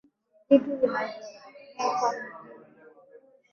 Vitu vilivyonenwa ni vingi